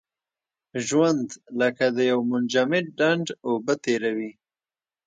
ژوند لکه د یو منجمد ډنډ اوبه تېروي.